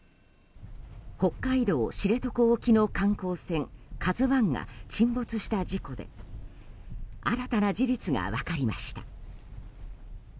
北海道知床沖の観光船「ＫＡＺＵ１」が沈没した事故で新たな事実が分かりました。